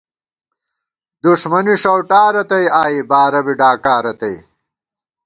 دُݭمَنی ݭَؤٹا رتئ آئی ، بارہ بی ڈاکا رتئ